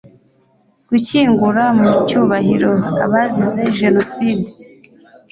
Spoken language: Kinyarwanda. gushyingura mu cyubahiro abazize jenoside